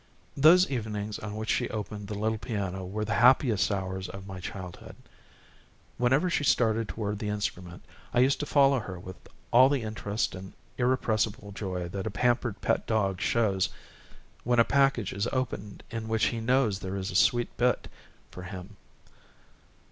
Those evenings on which she opened the little piano were the happiest hours of my childhood. Whenever she started toward the instrument, I used to follow her with all the interest and irrepressible joy that a pampered pet dog shows when a package is opened in which he knows there is a sweet bit for him.